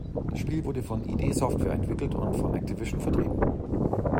Das Spiel wurde von id Software entwickelt und von Activision vertrieben.